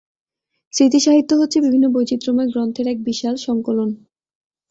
স্মৃতি সাহিত্য হচ্ছে বিভিন্ন বৈচিত্রময় গ্রন্থের এক বিশাল সংকলন।